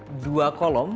yang masing masing di dalam